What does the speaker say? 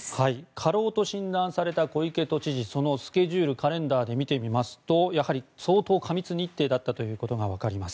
過労と診断された小池都知事そのスケジュールカレンダーで見てみますとやはり相当過密日程だったということが分かります。